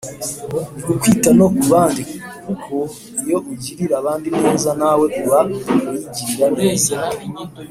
ni ukwita no ku bandi kuko iyo ugirira abandi ineza, nawe uba uyigirira